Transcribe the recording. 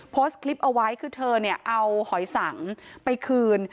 โพสต์คลิปเอาไว้คือเธอเนี่ยเอาหอยสังไปคืน